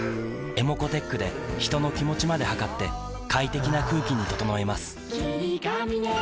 ｅｍｏｃｏーｔｅｃｈで人の気持ちまで測って快適な空気に整えます